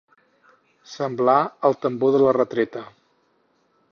Semblar el tambor de la retreta.